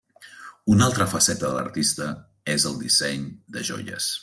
Una altra faceta de l'artista és el disseny de joies.